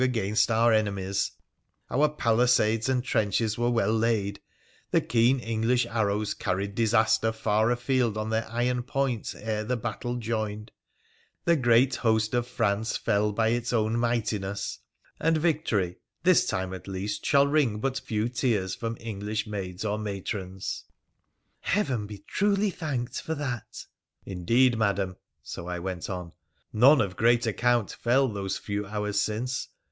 PHRA THb FHCEXlClAN 255 against our enemies, our palisades and trendies were well laid ; the keen English arrows carried disaster far afield on their iron points ere the battle joined; the great host of France fell by its own mightiness ; and victory, this time at least, shall wring but few tears from English maids or matrons.' ' Heaven be truly thanked for that !'' Indeed, Madam,' — so I went on —' none of great account fell those few hours since.